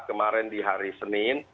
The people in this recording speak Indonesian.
kemarin di hari senin